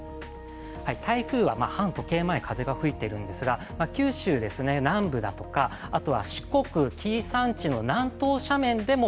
台風は反時計回りに風が吹いているんですが、九州、南部だとか四国紀伊山地の南東山地でも